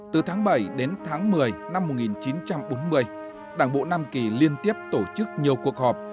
từ tháng bảy đến tháng một mươi năm một nghìn chín trăm bốn mươi đảng bộ nam kỳ liên tiếp tổ chức nhiều cuộc họp